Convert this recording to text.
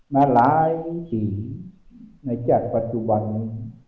มาร้ายจี๋ในจากปัจจุบันนี้